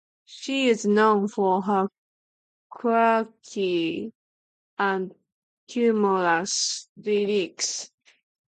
She is known for her quirky and humorous lyrics.